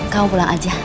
kamu pulang aja